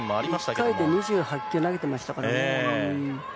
１回で２８球投げてましたからね。